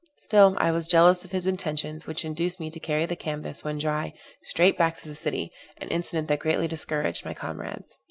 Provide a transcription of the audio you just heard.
Still I was jealous of his intentions, which induced me to carry the canvas, when dry, straight back to the city, an incident that greatly discouraged my comrades.